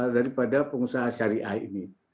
daripada pengusaha syariah ini